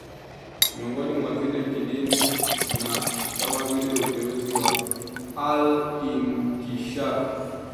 Miongoni mwa zile za kidini ni kama vile Utenzi wa Al-Inkishafi